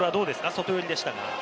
外寄りでしたが。